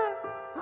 「あ！」